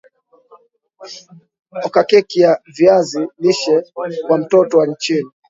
oka keki ya viazi lishe kwa moto wa chini